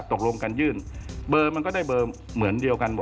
ก็ตกลงกันยื่นนั่นไปได้เบอร์ก็เหมือนเดียวกันแล้ว